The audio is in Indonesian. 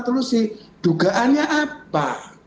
telusi dugaannya apa